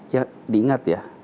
ya diingat ya